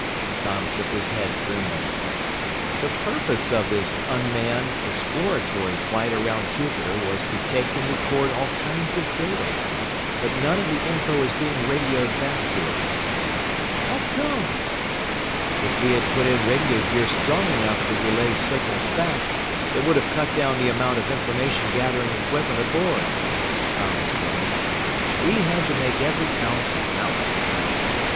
Tom shook his head grimly. "The purpose of this unmanned, exploratory flight around Jupiter was to take and record all kinds of data. But none of the info is being radioed back to us." "How come?" "If we had put in radio gear strong enough to relay signals back, it would have cut down the amount of information gathering equipment aboard," Tom explained. "We had to make every ounce count."